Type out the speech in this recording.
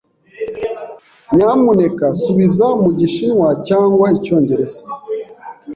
Nyamuneka subiza mu Gishinwa cyangwa Icyongereza.